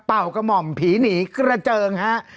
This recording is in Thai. เป่ากระหม่อมผีหนีกระเจิงครับ